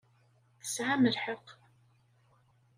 Tesɛam lḥeqq.